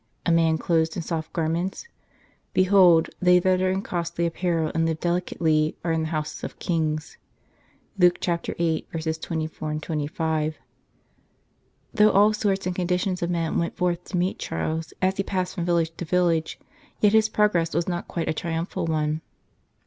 A man clothed in soft garments ? Behold, they that are in costly apparel, and live delicately, are in the houses of kings" (Luke vii. 24, 25). Though all sorts and conditions of men went forth to meet Charles as he passed from village to village, yet his progress was not quite a triumphal one.